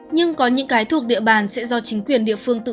nhưng có những cái thuộc địa bàn sẽ do chính quyền địa phương tìm